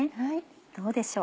どうでしょう。